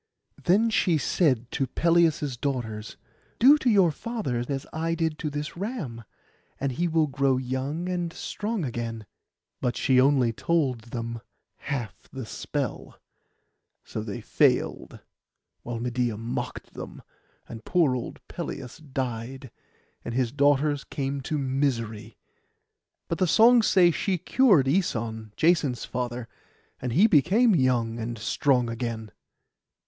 Then she said to Pelias' daughters, 'Do to your father as I did to this ram, and he will grow young and strong again.' But she only told them half the spell; so they failed, while Medeia mocked them; and poor old Pelias died, and his daughters came to misery. But the songs say she cured Æson, Jason's father, and he became young, and strong again.